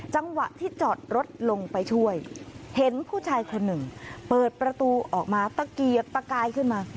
จังหวะที่จอดรถลงไปช่วยเห็นผู้ชายคนหนึ่งเปิดประตูออกมาตะเกียกตะกายขึ้นมา